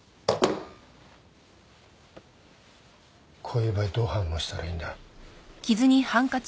こういう場合どう反応したらいいんだ？